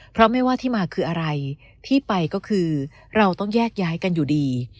เพราะไม่ว่าที่มาคืออะไรที่ไปก็คือเราต้องแยกย้ายกันอยู่ดี